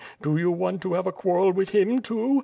Do you want to have a quarrel with him too?